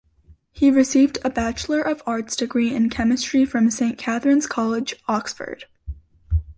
He received a Bachelor of Arts degree in Chemistry from Saint Catherine's College, Oxford.